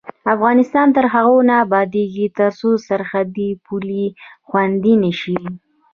افغانستان تر هغو نه ابادیږي، ترڅو سرحدي پولې خوندي نشي.